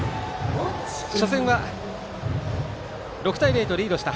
初戦は６対０とリードした